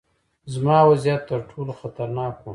زما وضعیت ترټولو خطرناک و.